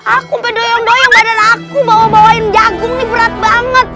aku sampe doyang doyang badan aku bawa bawain jagung nih berat banget